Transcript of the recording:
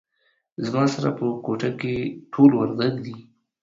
زما سره په کوټه کې ټول وردګ دي